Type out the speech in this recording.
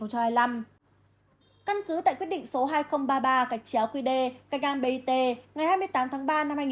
căn cứ tại quyết định số hai nghìn ba mươi ba cạch chế ác quy đề cạch ngang bit ngày hai mươi tám tháng ba năm hai nghìn một mươi tám